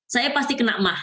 saya pasti kena emas